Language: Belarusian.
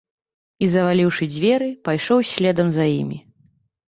І, заваліўшы дзверы, пайшоў следам за імі.